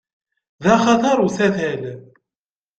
D axatar usatal.